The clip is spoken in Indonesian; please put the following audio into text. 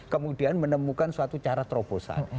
kemudian menemukan suatu cara terobosan